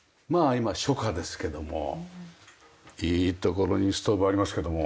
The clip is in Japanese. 今初夏ですけどもいい所にストーブありますけども。